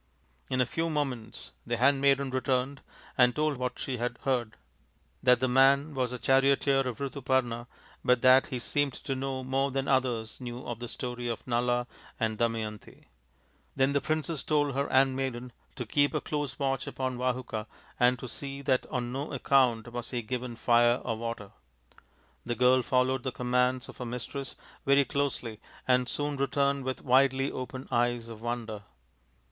In a few moments the handmaiden returned and told what she had heard that the man was the charioteer of Rituparna but that he seemed to know more than others knew of the story of Nala and NALA THE GAMESTER 143 Damayanti. Then the princess told her handmaiden to keep a close watch upon Vahuka and to see that on no account was he given fire or water. The girl followed the commands of her mistress very closely and soon returned with widely opened eyes of wonder.